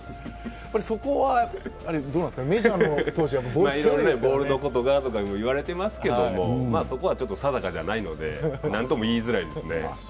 そこはどうなんですか、メジャーの投手はいろいろボールのことがとか言われてますけれどもそこはちょっと定かじゃないので、何とも言いづらいですね。